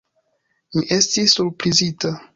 Mi estis surprizita.